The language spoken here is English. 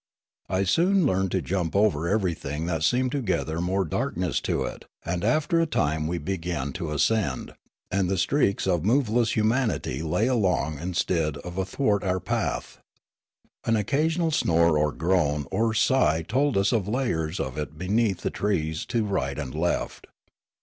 I soon learned to jump over everything that seemed to gather more darkness to it, and after a time we began to ascend, and the streaks of moveless humanity lay along instead of athwart our path. An occasional snore or groan or sigh told us of laj'ers of it beneath the trees to right and left.